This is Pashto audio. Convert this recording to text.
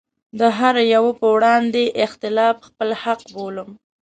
د هره يوه په وړاندې اختلاف خپل حق بولم.